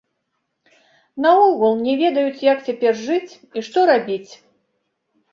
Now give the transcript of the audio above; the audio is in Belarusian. Наогул, не ведаюць, як цяпер жыць і што рабіць.